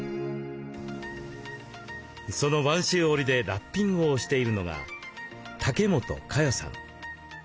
その播州織でラッピングをしているのが竹本佳代さん。